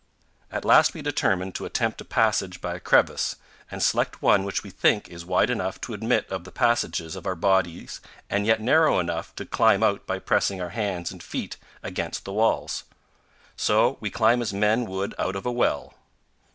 At last we determine to attempt a passage by a crevice, and select one which we think is wide enough to admit of the passage of our bodies and yet narrow enough to climb out by pressing our hands and feet against the walls. So we climb as men would out of a well.